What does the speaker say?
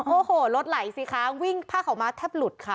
โอ้โหรถไหลสิคะวิ่งผ้าขาวม้าแทบหลุดค่ะ